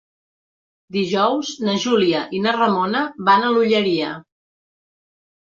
Dijous na Júlia i na Ramona van a l'Olleria.